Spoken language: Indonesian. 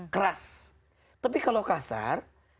keras tapi kalau kasar